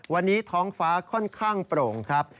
วันนี้ท้องฟ้าค่อนข้างโปร่งครับ